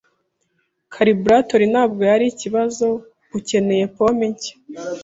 Carburetor ntabwo yari ikibazo. Ukeneye pompe nshya.